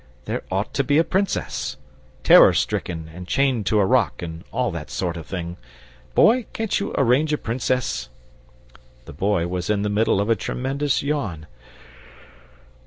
"There ought to be a Princess. Terror stricken and chained to a rock, and all that sort of thing. Boy, can't you arrange a Princess?" The Boy was in the middle of a tremendous yawn.